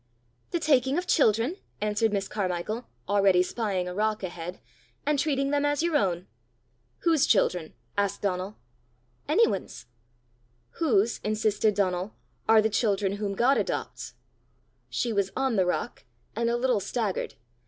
"The taking of children," answered Miss Carmichael, already spying a rock ahead, "and treating them as your own." "Whose children?" asked Donal. "Anyone's." "Whose," insisted Donal, "are the children whom God adopts?" She was on the rock, and a little staggered.